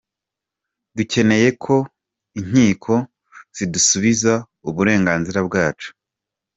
Dukeneye ko Inkiko zidusubiza uburenganzira bwacu.